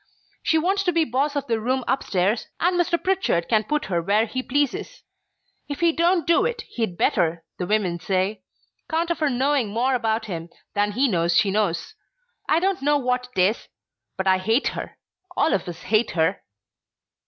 She wants to be boss of the room up stairs and Mr. Pritchard can put her where he pleases. If he don't do it, he'd better, the women say, 'count of her knowing more about him than he knows she knows. I don't know what 'tis, but I hate her. All of us hate her."